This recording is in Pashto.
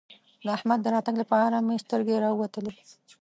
د احمد د راتګ لپاره مې سترګې راووتلې.